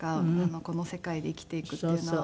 この世界で生きていくっていうのは。